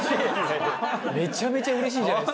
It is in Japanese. めちゃめちゃうれしいじゃないですか。